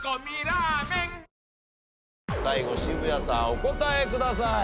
お答えください。